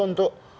itu yang masuk